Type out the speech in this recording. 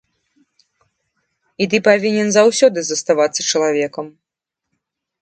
І ты павінен заўсёды заставацца чалавекам.